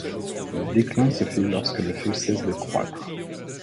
Le déclin se fait lorsque le feu cesse de croître.